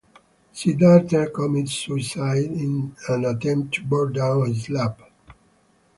Siddhartha commits suicide in an attempt to burn down his lab.